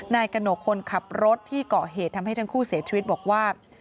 กระหนกคนขับรถที่เกาะเหตุทำให้ทั้งคู่เสียชีวิตบอกว่า